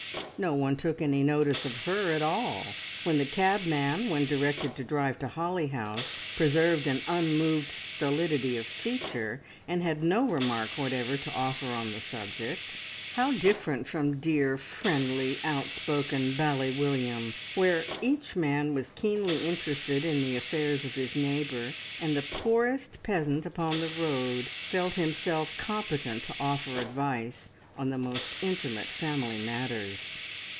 No one took any notice of her at all. When the cabman, when directed to drive to Holly House, preserved an unmoved stolidity of feature, and had no remark whatever to offer on the subject. How different from dear, friendly, outspoken Bally William, where each man was keenly interested in the affairs of his neighbour, and the poorest peasant upon the road felt himself competent to offer advice on the most intimate family matters!